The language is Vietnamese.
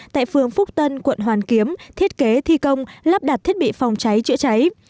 tại phường phúc tân quận hoàn kiếm thiết kế thi công lắp đặt thiết bị phòng cháy chữa cháy